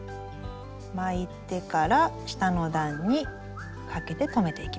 巻いてから下の段にかけて留めていきます。